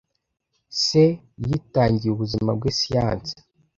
Se yitangiye ubuzima bwe siyanse.